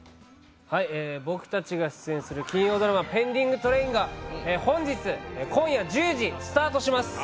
僕たちが出演する金曜ドラマ「ペンディングトレイン」が本日、今夜１０時、スタートします。